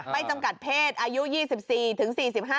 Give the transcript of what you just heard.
จำกัดเพศอายุ๒๔ถึง๔๕